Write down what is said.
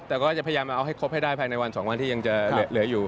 แต่ก็จะพยายามเอาให้ครบให้ได้ภายในวัน๒วันที่ยังจะเหลืออยู่